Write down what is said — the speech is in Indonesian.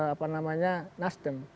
apa namanya nasdem